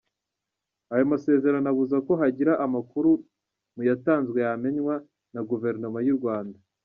Ayo masezerano abuza ko hagira amakuru mu yatanzwe yamenywa na Guverinoma y’u Rwanda.